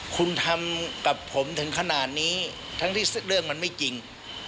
คุณทำกับผมถึงขนาดนี้ทั้งที่เรื่องมันไม่จริง